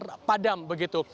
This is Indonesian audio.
benar padam begitu